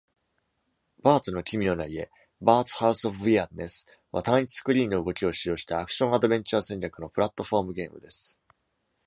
「バーツの奇妙な家 （Bart's House of Weirdness）」は、単一スクリーンの動きを使用したアクションアドベンチャー戦略のプラットフォームゲームです。